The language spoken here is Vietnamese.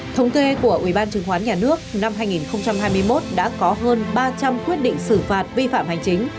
thống kê của ubnd năm hai nghìn hai mươi một đã có hơn ba trăm linh quyết định xử phạt vi phạm hành chính